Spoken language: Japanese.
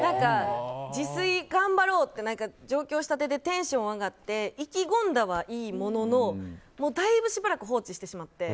自炊頑張ろうって上京したてでテンション上がって意気込んだはいいもののだいぶしばらく放置してしまって。